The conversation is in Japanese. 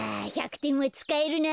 １００てんはつかえるな。